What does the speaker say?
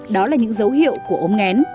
đó là những dấu hiệu của ốm nghe